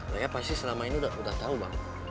saya pasti selama ini udah tahu bang